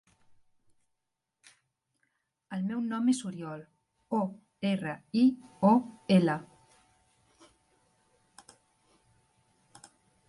El meu nom és Oriol: o, erra, i, o, ela.